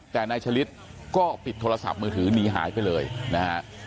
แต่นายชะลิดก็ปิดโทรศัพท์มือถือหนีหายไปเลยนะฮะ